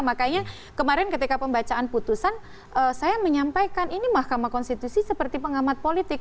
makanya kemarin ketika pembacaan putusan saya menyampaikan ini mahkamah konstitusi seperti pengamat politik